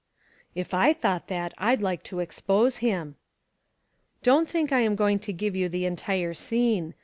"If I thought that, I'd like to expose him." Don't think I am going to give you the entire scene.